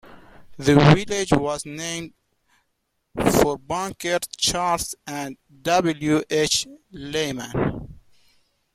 The village was named for bankers Charles and W. H. Lyman.